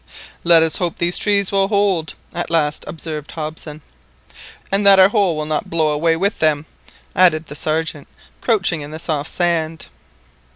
"Let us hope these trees will hold," at last observed Hobson. "And that our hole will not blow away with them," added the Sergeant, crouching in the soft sand.